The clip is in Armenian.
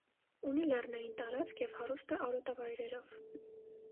Ունի լեռնային տարածք և հարուստ է արոտավայրերով։